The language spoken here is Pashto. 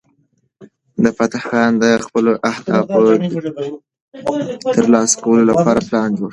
فتح خان د خپلو اهدافو د ترلاسه کولو لپاره پلان جوړ کړ.